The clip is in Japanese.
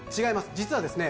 実はですね